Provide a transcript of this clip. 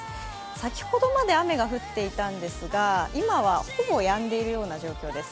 先ほどまで雨が降っていたんですが、今はほぼやんでいるような状況です。